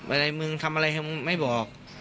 อะไรมึงทำอะไรไม่บอก